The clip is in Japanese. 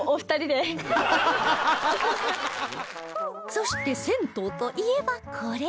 そして銭湯といえばこれ！